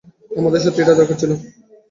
আমাদের সত্যিই এটা দরকার ছিল।